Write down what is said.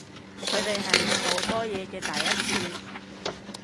佢哋係你好多嘢嘅第一次